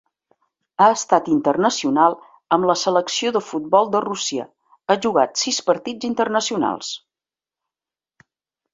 Ha estat internacional amb la selecció de futbol de Rússia, ha jugat sis partits internacionals.